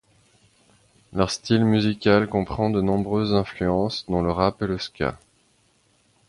Leur style musical comprend de nombreuses influences, dont le rap et le ska.